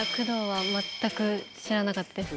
知らなかったです。